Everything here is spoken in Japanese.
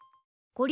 これ？